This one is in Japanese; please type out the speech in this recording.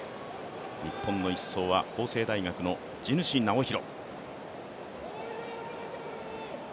日本の１走は法政大学の地主直央。